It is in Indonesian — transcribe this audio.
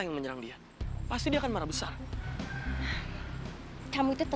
jangan jangan bener adik ngikutin gue